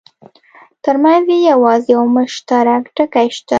ترمنځ یې یوازې یو مشترک ټکی شته.